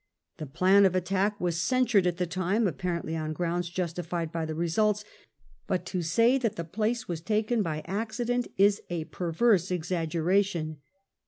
The plan of attack was censured at the time, apparently on grounds justified by the results ; but to say that the place was taken by accident is a perverse exaggeration.